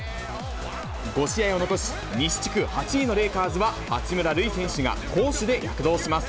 ５試合を残し、西地区８位のレイカーズが、八村塁選手が攻守で躍動します。